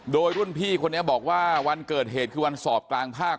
โดยรุ่นพี่คนนี้บอกว่าวันเกิดเหตุคือวันสอบกลางภาค